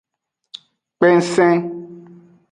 Kpensen.